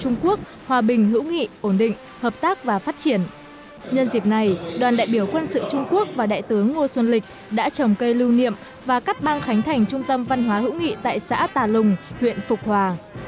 nhân dịp này đoàn đại biểu quân sự trung quốc và đại tướng ngô xuân lịch đã trồng cây lưu niệm và cắt băng khánh thành trung tâm văn hóa hữu nghị tại xã tà lùng huyện phục hòa